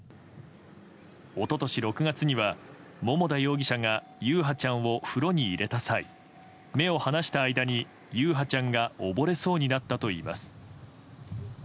一昨年６月には桃田容疑者が優陽ちゃんを風呂に入れた際目を離した間に優陽ちゃんが溺れそうになったといいます。